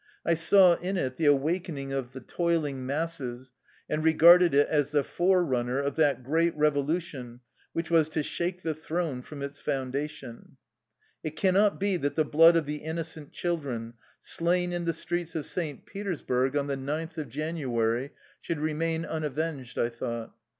I saw in it the awakening of the toiling masses, and re garded it as the fore runner of that great revo lution which was to shake the throne from its foundation. " It can not be that the blood of the innocent children slain in the streets of St. Petersburg on 10 Cossack whips. 105 THE LIFE STORY OF A RUSSIAN EXILE the ninth of January should remain unavenged," I thought.